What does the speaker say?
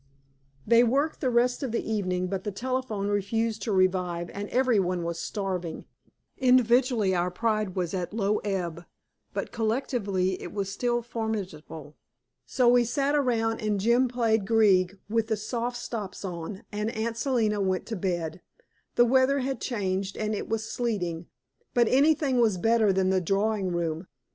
They worked the rest of the evening, but the telephone refused to revive and every one was starving. Individually our pride was at low ebb, but collectively it was still formidable. So we sat around and Jim played Grieg with the soft stops on, and Aunt Selina went to bed. The weather had changed, and it was sleeting, but anything was better than the drawing room.